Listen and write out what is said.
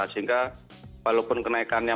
sehingga walaupun kenaikannya